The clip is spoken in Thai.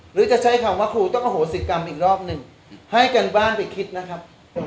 หรือจะใช้คำว่าครูต้องอโหสิกรรมอีกรอบหนึ่งให้กันบ้านไปคิดนะครับ